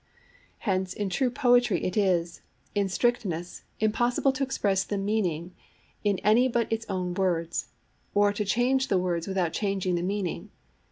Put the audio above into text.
Hence in true poetry it is, in strictness, impossible to express the meaning in any but its own words, or to change the words without changing the meaning.